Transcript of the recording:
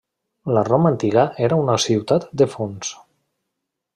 La Roma antiga era una ciutat de fonts.